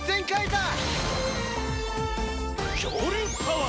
恐竜パワー！